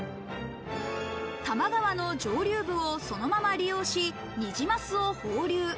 多摩川の上流部をそのまま利用し、ニジマスを放流。